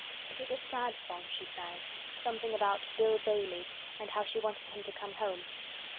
It was a sad song she sang. Something about Bill Bailey and how she wanted him to come home.